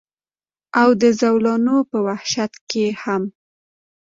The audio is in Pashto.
او د زولنو پۀ وحشت کښې هم